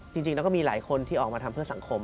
จริงแล้วก็มีหลายคนที่ออกมาทำเพื่อสังคม